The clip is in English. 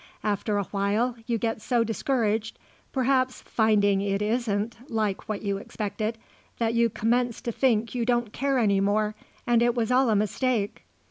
After a while you get so discouraged, perhaps, finding it isn't like what you expected, that you commence to think you don't care any more and it was all a mistake.